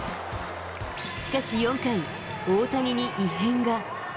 しかし４回、大谷に異変が。